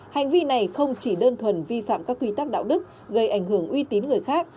hành vi này không chỉ đơn thuần vi phạm các quy tắc đạo đức gây ảnh hưởng uy tín người khác